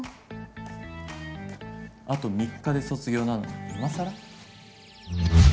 あと３日で卒業なのに今更？